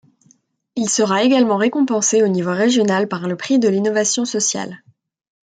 Il sera également récompensé au niveau régional par le prix de l'Innovation sociale.